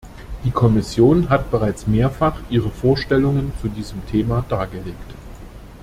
Die Kommission hat bereits mehrfach ihre Vorstellungen zu diesem Thema dargelegt.